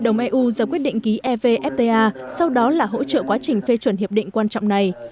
đồng eu ra quyết định ký evfta sau đó là hỗ trợ quá trình phê chuẩn hiệp định quan trọng này